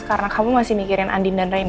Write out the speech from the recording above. karena kamu masih mikirin andin dan rina